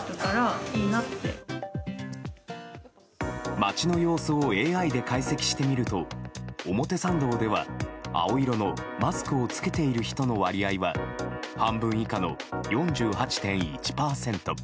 街の様子をＡＩで解析してみると表参道では、青色のマスクを着けている人の割合は半分以下の４８．１％。